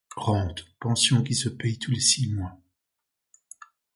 Rente, pension qui se paie tous les six mois.